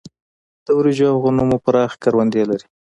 د وريجو او غنمو پراخې کروندې لري.